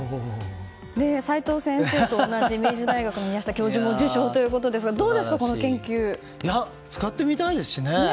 齋藤先生と同じ明治大学の宮下教授の受賞ですが使ってみたいですね。